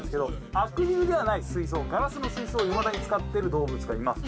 アクリルではない水槽ガラスの水槽をいまだに使ってる動物がいます。